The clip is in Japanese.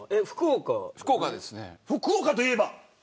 福岡といえば。